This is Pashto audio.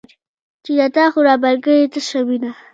چې دا تا خو رابار کړې تشه مینه